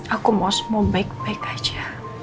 aku mau baik baik aja